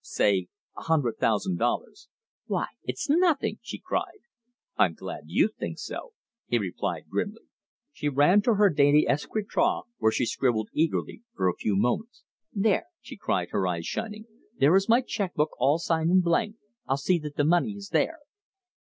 Say a hundred thousand dollars." "Why, it's nothing," she cried. "I'm glad you think so," he replied grimly. She ran to her dainty escritoire, where she scribbled eagerly for a few moments. "There," she cried, her eyes shining, "there is my check book all signed in blank. I'll see that the money is there."